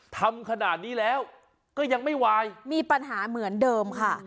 ทำขนาดนี้แล้วก็ยังไม่วายมีปัญหาเหมือนเดิมค่ะ